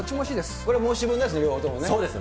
これ、申し分なしですね。